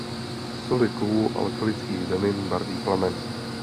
Soli kovů alkalických zemin barví plamen.